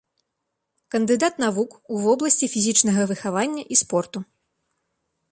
Кандыдат навук у вобласці фізічнага выхавання і спорту.